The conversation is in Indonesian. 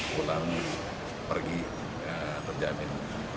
pulang pergi terjamin